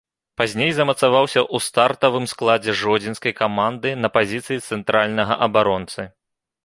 Пазней замацаваўся ў стартавым складзе жодзінскай каманды на пазіцыі цэнтральнага абаронцы.